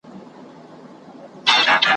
زور د شلو انسانانو ورسره وو ,